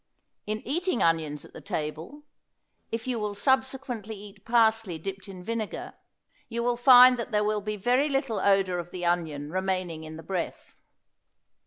In eating onions at the table, if you will subsequently eat parsley dipped in vinegar, you will find that there will be very little odor of the onion remaining in the breath.